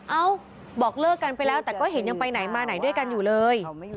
เอ้าบอกเลิกกันไปแล้วแต่ก็เห็นยังไปไหนมาไหนด้วยกันอยู่เลย